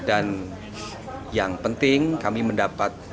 dan yang penting kami mendapat